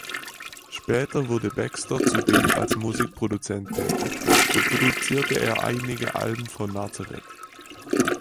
Später wurde Baxter zudem als Musikproduzent tätig, so produzierte er einige Alben von Nazareth.